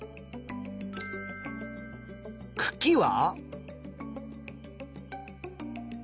くきは？